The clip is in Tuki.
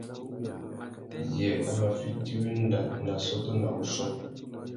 Yê a mà fiti wenda nà assôtô nà wuchiô?